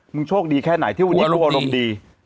มึงโชคดีแค่ไหนที่วันนี้ดูอารมณ์ดีหัวอารมณ์ดี